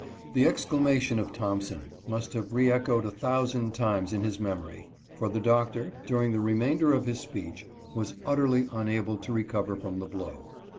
The exclamation of Thompson must have re echoed a thousand times in his memory, for the Doctor, during the remainder of his speech, was utterly unable to recover from the blow.